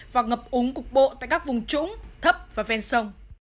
và ngập úng cục bộ tại các vùng trũng thấp và ven sông